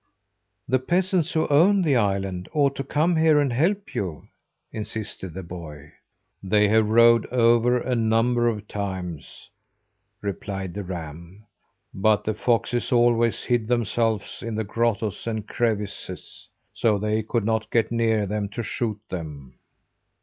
"The peasants who own the island ought to come here and help you," insisted the boy. "They have rowed over a number of times," replied the ram, "but the foxes always hid themselves in the grottoes and crevices, so they could not get near them, to shoot them."